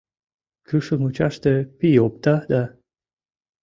Кӱшыл мучаште пий опта да